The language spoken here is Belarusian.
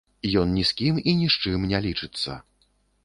Ён ні з кім і ні з чым не лічыцца.